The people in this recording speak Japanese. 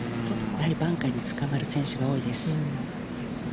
バンカーにつかまる選手が多いです。